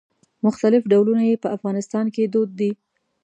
مختلف ډولونه یې په افغانستان کې دود دي.